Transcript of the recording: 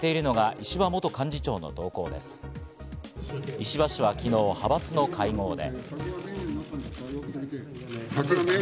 石破氏は昨日派閥の会合で。